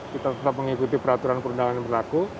kita tetap mengikuti peraturan perundangan yang berlaku